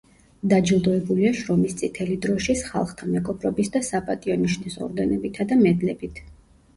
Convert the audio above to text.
დაჯილდოებულია შრომის წითელი დროშის, ხალხთა მეგობრობის და საპატიო ნიშნის ორდენებითა და მედლებით.